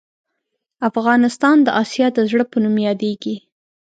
افغانستان د اسیا د زړه په نوم یادیږې